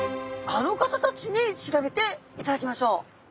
あの方たちに調べていただきましょう。